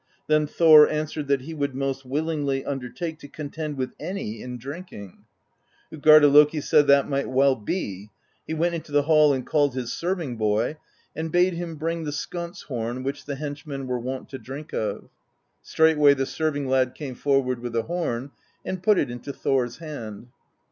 Then Thor answered that he would most willingly undertake to con tend with any in drinking. Utgarda Loki said that might well be; he went into the hall and called his serving boy, and bade him bring the sconce horn which the henchmen were wont to drink off. Straightway the serving lad came forward with the horn and put it into Thor's hand.